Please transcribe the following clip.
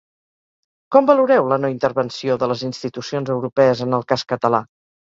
Com valoreu la no-intervenció de les institucions europees en el cas català?